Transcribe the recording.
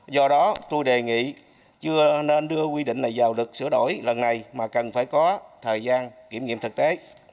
do đó tôi đề nghị chưa nên đưa quy định này vào luật sửa đổi lần này mà cần phải có thời gian kiểm nghiệm thực tế